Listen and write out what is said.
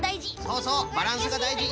そうそうバランスがだいじ。